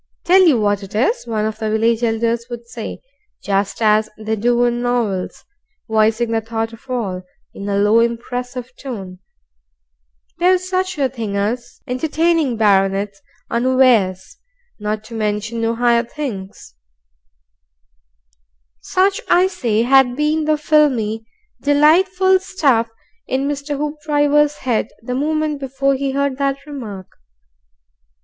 "Tell you what it is," one of the village elders would say just as they do in novels voicing the thought of all, in a low, impressive tone: "There's such a thin' as entertaining barranets unawares not to mention no higher things " Such, I say, had been the filmy, delightful stuff in Mr. Hoopdriver's head the moment before he heard that remark.